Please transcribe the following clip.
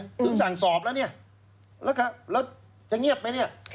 ถึงสั่งสอบแล้วเนี่ยแล้วจะเงียบไหมเนี่ย